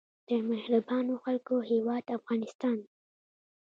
د مهربانو خلکو هیواد افغانستان.